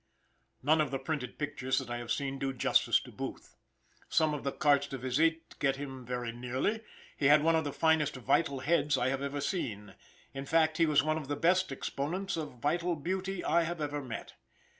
None of the printed pictures that I have seen do justice to Booth. Some of the cartes de visite get him very nearly. He had one of the finest vital heads I have ever seen. In fact, he was one of the best exponents of vital beauty I have ever met.